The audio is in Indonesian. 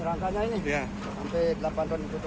rangkanya ini sampai delapan ton gitu